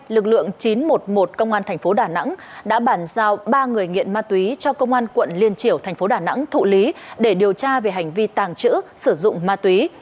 lực lượng chín trăm một mươi một công an thành phố đà nẵng đã bàn giao ba người nghiện ma túy cho công an quận liên triểu thành phố đà nẵng thụ lý để điều tra về hành vi tàng trữ sử dụng ma túy